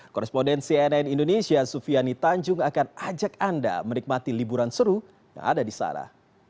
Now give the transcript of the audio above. korespondensi nn indonesia sufiani tanjung akan ajak anda menikmati liburan seru yang ada di sana